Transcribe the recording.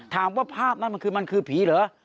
ถามว่าภาพนั้นมันคือผีเหรอ